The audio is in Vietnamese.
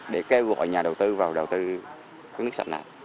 để kêu gọi nhà đầu tư vào đầu tư nước sạch nạ